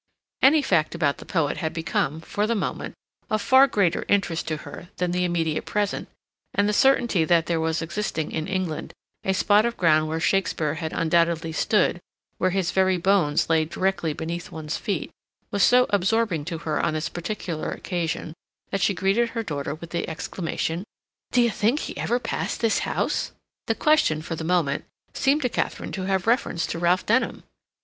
Any fact about the poet had become, for the moment, of far greater interest to her than the immediate present, and the certainty that there was existing in England a spot of ground where Shakespeare had undoubtedly stood, where his very bones lay directly beneath one's feet, was so absorbing to her on this particular occasion that she greeted her daughter with the exclamation: "D'you think he ever passed this house?" The question, for the moment, seemed to Katharine to have reference to Ralph Denham.